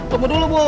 temu dulu bu